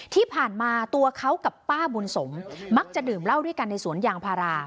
ที่ผ่านมาตัวเขากับป้าบุญสมมักจะดื่มเหล้าด้วยกันในสวนยางพารา